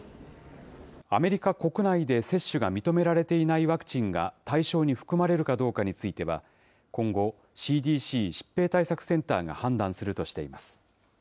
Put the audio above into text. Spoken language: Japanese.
アメリカ国内で接種が認められていないワクチンが対象に含まれるかどうかについては、今後、ＣＤＣ・疾病対策センターが判断するとしています。